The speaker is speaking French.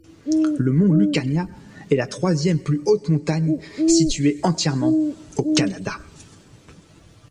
Le mont Lucania est la troisième plus haute montagne située entièrement au Canada.